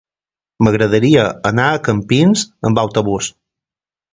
M'agradaria anar a Campins amb autobús.